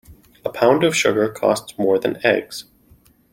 A pound of sugar costs more than eggs.